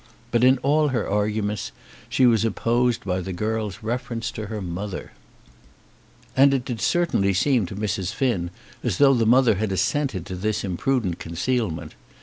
But in all her arguments she was opposed by the girl's reference to her mother. "Mamma knew it." And it did certainly seem to Mrs. Finn as though the mother had assented to this imprudent concealment.